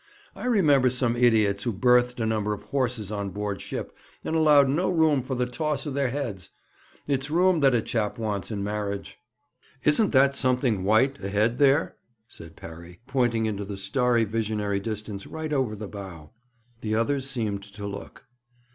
'I remember some idiots who berthed a number of horses on board ship, and allowed no room for the toss of their heads. It's room that a chap wants in marriage.' 'Isn't that something white ahead there?' said Parry, pointing into the starry visionary distance, right over the bow. The others seemed to look.